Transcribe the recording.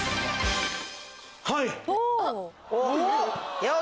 はい！